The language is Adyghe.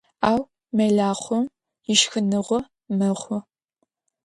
Ау мэлахъом ишхыныгъо мэхъу.